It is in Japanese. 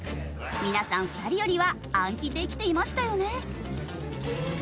皆さん２人よりは暗記できていましたよね？